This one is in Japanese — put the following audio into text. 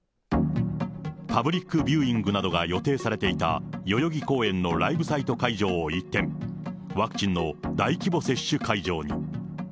パブリックビューイングなどが予定されていた代々木公園のライブサイト会場を一転、ワクチンの大規模接種会場に。